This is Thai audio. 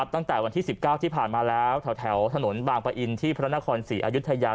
ตั้งแต่วันที่๑๙ที่ผ่านมาแล้วแถวถนนบางปะอินที่พระนครศรีอายุทยา